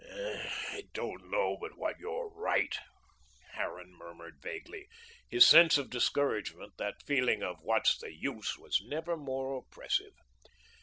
"I don't know but what you're right," Harran murmured vaguely. His sense of discouragement, that feeling of what's the use, was never more oppressive.